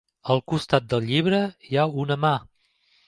Al costat del llibre hi ha una mà.